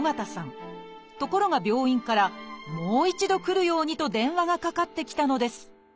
ところが病院から「もう一度来るように」と電話がかかってきたのです。